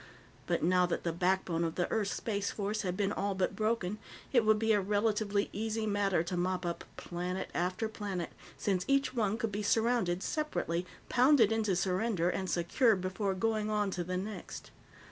But now that the backbone of the Earth's Space Force had been all but broken, it would be a relatively easy matter to mop up planet after planet, since each one could be surrounded separately, pounded into surrender, and secured before going on to the next.